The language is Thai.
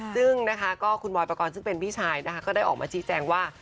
ซึ่งนะคะก็คุณบอยปกรณ์ซึ่งเป็นพี่ชายนะคะก็ได้ออกมาชี้แจงว่า